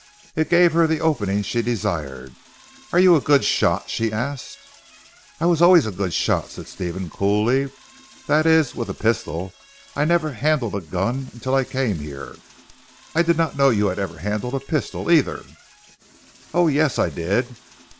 It gave her the opening she desired. "Are you a good shot?" she asked. "I was always a good shot," said Stephen coolly, "that is, with a pistol. I never handled a gun until I came here." "I did not know you had ever handled a pistol either?" "Oh yes, I did.